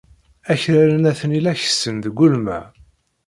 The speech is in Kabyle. Akraren atni la kessen deg ulma.